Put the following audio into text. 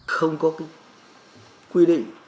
không có quy định